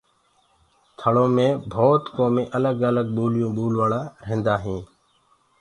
ٿݪو مي ڀوتَ ڪومين الگ الگ ٻوليون ٻولوآݪآ ريهندآئين